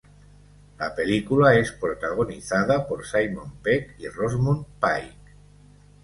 La película es protagonizada por Simon Pegg y Rosamund Pike.